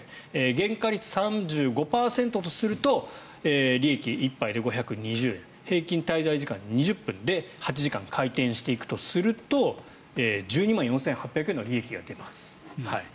原価率３５％とすると利益は１杯で５２０円平均滞在時間２０分で８時間回転していくとすると１２万４８００円の利益が出ます。